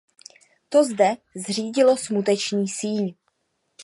To zde zřídilo smuteční síň.